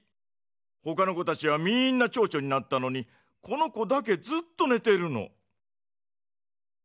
ほかの子たちはみんなちょうちょになったのにこの子だけずっとねてるの。